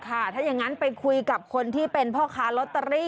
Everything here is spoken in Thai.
ถ้าอย่างนั้นไปคุยกับคนที่เป็นพ่อค้าลอตเตอรี่